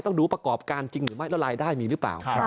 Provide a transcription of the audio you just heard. ดูประกอบการจริงหรือไม่แล้วรายได้มีหรือเปล่า